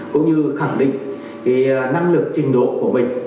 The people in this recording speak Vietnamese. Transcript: cũng như khẳng định năng lực của các em